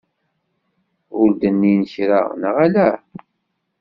Ur d-nnin kra, neɣ ala?